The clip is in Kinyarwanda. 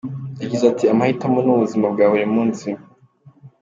Yagize ati "Amahitamo ni ubuzima bwa buri munsi.